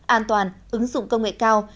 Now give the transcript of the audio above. an toàn ứng dụng công nghệ cao